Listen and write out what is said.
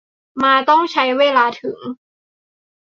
มาต้องใช้เวลาถึง